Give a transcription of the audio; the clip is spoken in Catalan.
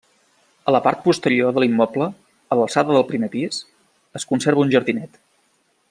A la part posterior de l'immoble, a l'alçada del primer pis, es conserva un jardinet.